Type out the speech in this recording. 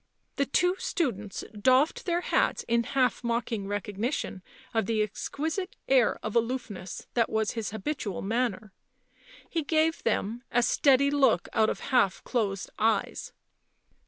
The two students doffed their hats in half mocking recognition of the exquisite air of aloofness that was his habitual manner. He gave them a steady look out of half closed eyes.